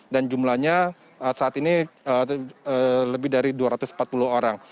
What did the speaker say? dan jumlahnya saat ini lebih dari dua ratus empat puluh orang